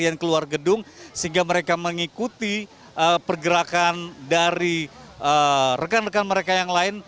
yang keluar gedung sehingga mereka mengikuti pergerakan dari rekan rekan mereka yang lain